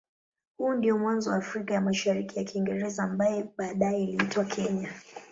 Huo ndio mwanzo wa Afrika ya Mashariki ya Kiingereza ambaye baadaye iliitwa Kenya.